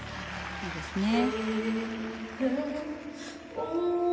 いいですね。